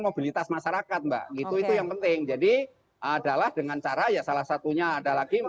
mobilitas masyarakat mbak gitu itu yang penting jadi adalah dengan cara ya salah satunya ada lagi